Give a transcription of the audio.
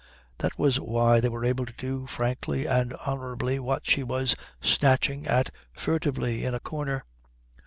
That was why they were able to do frankly and honourably what she was snatching at furtively in a corner.